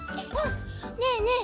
ねえねえ